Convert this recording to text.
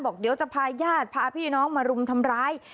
บอกเดี๋ยวจะพาญาติพาพี่น้องมารุมทำร้าย